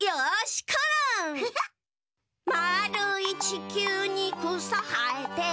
「まーるいちきゅうにくさはえて」